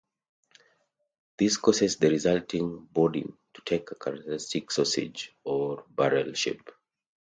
This causes the resulting boudin to take a characteristic sausage or barrel shape.